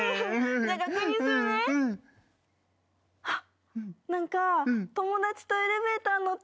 あっ。